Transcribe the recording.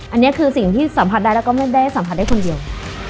อันนี้คือสิ่งที่สัมผัสได้แล้วก็ไม่ได้สัมผัสได้คนเดียว